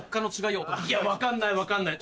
いや分かんない。